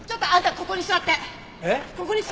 ここに座って！